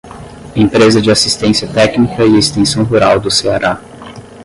Empresa de Assistência Técnica e Extensão Rural do Ceará